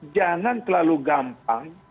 jangan terlalu gampang